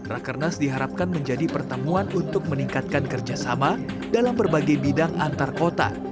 rakernas diharapkan menjadi pertemuan untuk meningkatkan kerjasama dalam berbagai bidang antar kota